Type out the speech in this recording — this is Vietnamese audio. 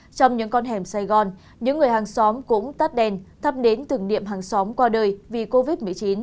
trong những con hẻm sài gòn những người hàng xóm cũng tắt đèn thắp đến tưởng niệm hàng xóm qua đời vì covid một mươi chín